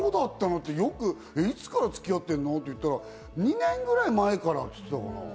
って、いつから付き合ってんの？って言ったら、２年くらい前からって言ったね。